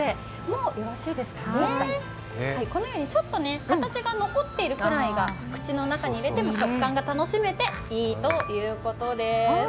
ちょっと形が残っているくらいが、口の中に入れても食感が楽しめていいということです。